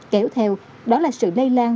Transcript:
kéo theo đó là sự đây lan